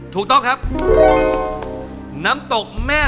กรุงเทพหมดเลยครับ